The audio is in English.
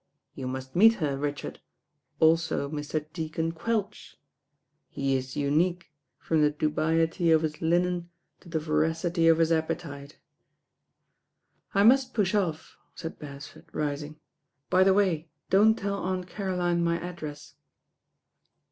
You must meet her, Richard, also Mr. Deacon Quelch. He is unique, from the dubiety of his linen to the voracity of his appetite." "I must push off," said Beresford, rising. "By the way, don't tell Aunt Caroline my address."